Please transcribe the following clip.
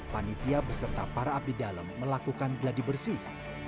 panitia beserta para abdi dalam melakukan geladi bersih